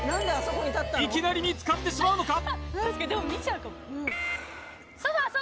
いきなり見つかってしまうのか